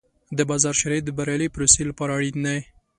د بازار شرایط د بریالۍ پروسې لپاره اړین دي.